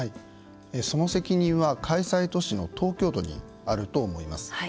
その責任は、開催都市の東京都にあると思います。